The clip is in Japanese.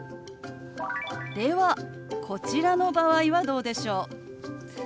ではこちらの場合はどうでしょう？